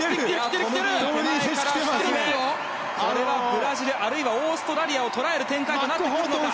ブラジル、あるいはオーストラリアをとらえる展開か。